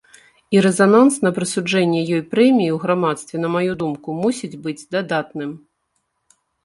І рэзананс на прысуджэнне ёй прэміі ў грамадстве, на маю думку, мусіць быць дадатным.